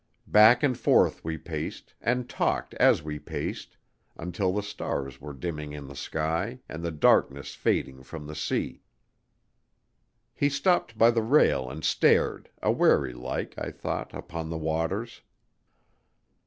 Back and forth we paced, and talked as we paced, until the stars were dimming in the sky and the darkness fading from the sea. He stopped by the rail and stared, aweary like, I thought, upon the waters.